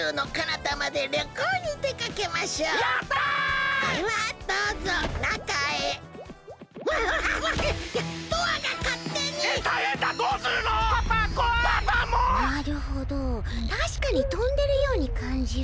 たしかにとんでるようにかんじる。